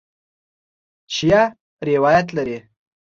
شیعه روایت لري.